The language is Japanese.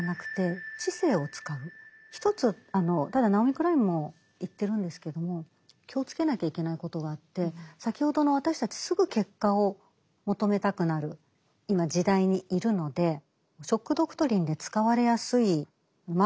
一つただナオミ・クラインも言ってるんですけども気をつけなきゃいけないことがあって先ほどの私たちすぐ結果を求めたくなる今時代にいるので「ショック・ドクトリン」で使われやすいマーケティングとしてですね